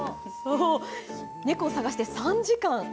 猫を探して３時間。